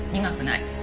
苦くない。